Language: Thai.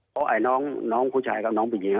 เพราะน้องผู้ชายกับน้องผู้หญิง